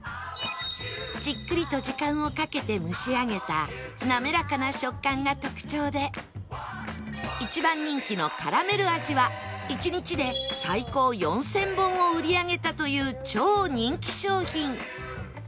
じっくりと時間をかけて蒸し上げた滑らかな食感が特徴で一番人気のカラメル味は１日で最高４０００本を売り上げたという超人気商品